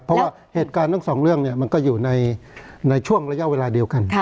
เพราะว่าเหตุการณ์ทั้งสองเรื่องมันก็อยู่ในช่วงระยะเวลาเดียวกัน